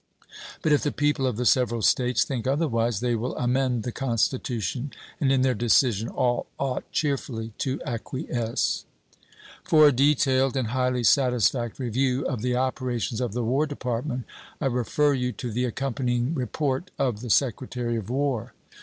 But if the people of the several States think otherwise they will amend the Constitution, and in their decision all ought cheerfully to acquiesce. For a detailed and highly satisfactory view of the operations of the War Department I refer you to the accompanying report of the Secretary of War.